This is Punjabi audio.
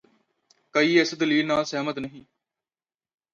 ਕਈ ਇਸ ਦਲੀਲ ਨਾਲ ਸਹਿਮਤ ਨਹੀਂ